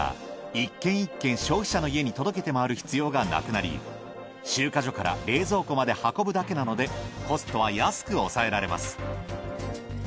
１軒１軒消費者の家に届けてまわる必要がなくなり集荷所から冷蔵庫まで運ぶだけなのでコストは安く抑えられます。